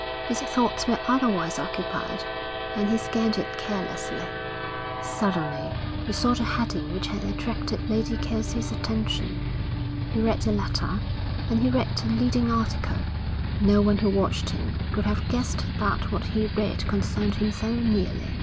His thoughts were otherwise occupied, and he scanned it carelessly. Suddenly he saw the heading which had attracted Lady Kelsey's attention. He read the letter, and he read the leading article. No one who watched him could have guessed that what he read concerned him so nearly.